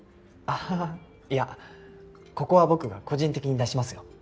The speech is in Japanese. あっいやここは僕が個人的に出しますよ。